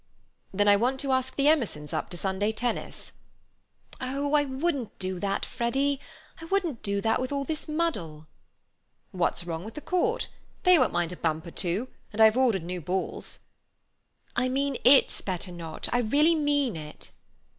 "Then I want to ask the Emersons up to Sunday tennis." "Oh, I wouldn't do that, Freddy, I wouldn't do that with all this muddle." "What's wrong with the court? They won't mind a bump or two, and I've ordered new balls." "I meant it's better not. I really mean it."